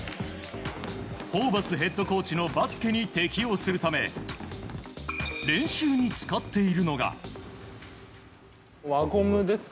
ホーバスヘッドコーチにバスケに適応するため練習に使っているのが。